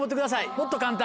もっと簡単。